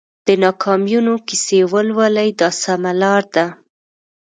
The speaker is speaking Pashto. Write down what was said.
د ناکامیونو کیسې ولولئ دا سمه لار ده.